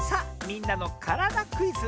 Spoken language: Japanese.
「みんなのからだクイズ」！